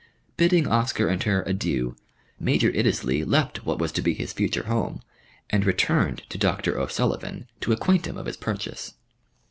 Bidding Oscar and her "Adieu," Major Iddesleigh left what was to be his future home, and returned to Doctor O'Sullivan to acquaint him of his purchase.